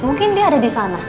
mungkin dia ada disana